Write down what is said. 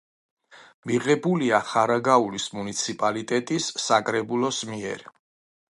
მიღებულია ხარაგაულის მუნიციპალიტეტის საკრებულოს მიერ.